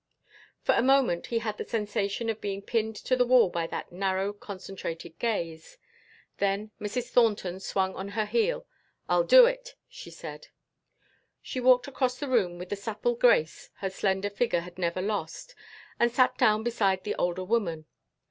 For a moment he had the sensation of being pinned to the wall by that narrow concentrated gaze. Then Mrs. Thornton swung on her heel. "I'll do it," she said. She walked across the room with the supple grace her slender figure had never lost and sat down beside the older woman.